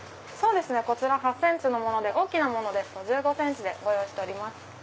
こちら８ｃｍで大きなものですと１５ｃｍでご用意しております。